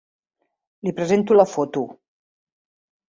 Li presento la foto.